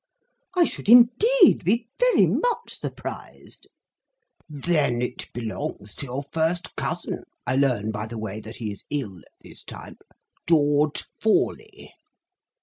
"I should indeed be very much surprised." "Then it belongs to your first cousin (I learn, by the way, that he is ill at this time) George Forley."